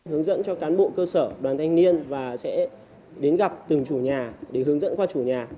hướng dẫn cho cán bộ cơ sở đoàn thanh niên và sẽ đến gặp từng chủ nhà để hướng dẫn qua chủ nhà